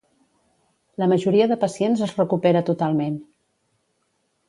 La majoria de pacients es recupera totalment.